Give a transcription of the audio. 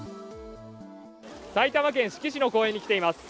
埼玉県志木市の公園に来ています。